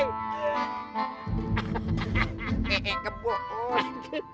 hahaha kebuk os